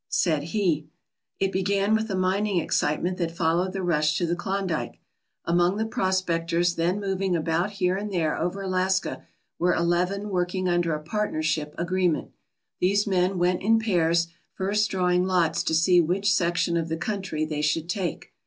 Said he: "It began with the mining excitement that followed the rush to the Klondike. Among the prospectors then 290 THE STORY OF KENNECOTT moving about here and there over Alaska were eleven working under a partnership agreement. These men went in pairs, first drawing lots to see which section of the country they should take.